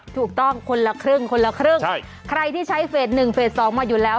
ถูกต้องคนละครึ่งคนละครึ่งใช่ใครที่ใช้เฟสหนึ่งเฟสสองมาอยู่แล้ว